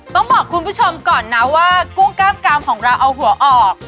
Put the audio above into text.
ต้องบอกคุณผู้ชมก่อนนะว่ากุ้งกล้ามกามของเราเอาหัวออก